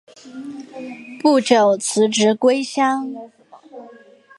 不久辞职归乡。